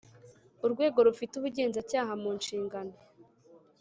Urwego rufite ubugenzacyaha mu nshingano